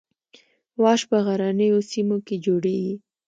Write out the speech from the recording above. واش په غرنیو سیمو کې جوړیږي